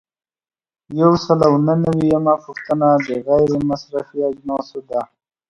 یو سل او نوي یمه پوښتنه د غیر مصرفي اجناسو ده.